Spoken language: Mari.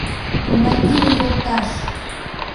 — Командир йолташ!